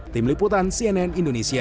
tim liputan cnn indonesia